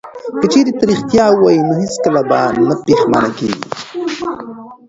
که چیرې ته ریښتیا ووایې نو هیڅکله به نه پښیمانیږې.